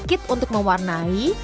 kit untuk mewarnai